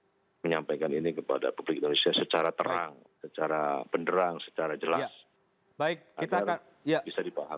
kami akan menyampaikan ini kepada publik indonesia secara terang secara penderang secara jelas